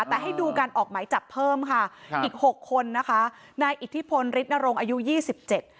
แต่ให้ดูการออกหมายจับเพิ่มค่ะครับอีกหกคนนะคะนายอิทธิพลฤทธนรงค์อายุยี่สิบเจ็ด